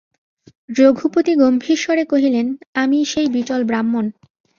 রঘুপতি গম্ভীরস্বরে কহিলেন, আমিই সেই বিটল ব্রাহ্মণ।